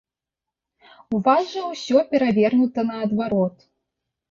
У вас жа ўсё перавернута наадварот.